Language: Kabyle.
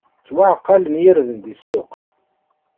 Ttwaɛqalen yirden di ssuq!